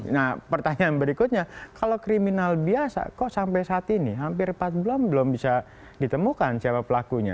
nah pertanyaan berikutnya kalau kriminal biasa kok sampai saat ini hampir empat bulan belum bisa ditemukan siapa pelakunya